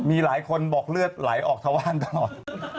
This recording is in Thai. มีหลายคนบอกเลือดไหลออกทะว่านตลอด